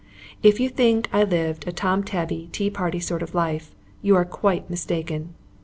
If you think I lived a Tom tabby, tea party sort of life, you are quite mistaken.